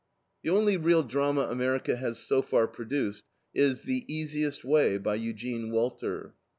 The only real drama America has so far produced is THE EASIEST WAY, by Eugene Walter.